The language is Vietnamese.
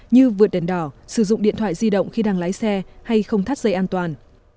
như vượt đèn đỏ sử dụng điện thoại di động khi đang lái xe hay không thắt dây an toàn